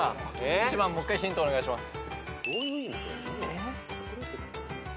１番もう１回ヒントお願いします。